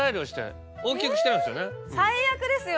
最悪ですよ